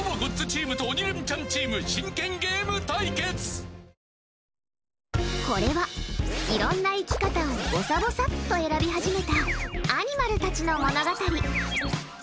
ぷはーっこれは、いろんな生き方をぼさぼさっと選び始めたアニマルたちの物語。